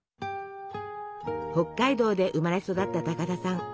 北海道で生まれ育った高田さん。